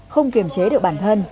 không kiềm chế được bản thân